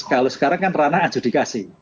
kalau sekarang kan ranah adjudikasi